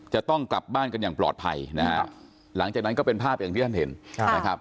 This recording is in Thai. จะต้องกลับบ้านกันอย่างปลอดภัยนะฮะหลังจากนั้นก็เป็นภาพอย่างที่ท่านเห็นนะครับ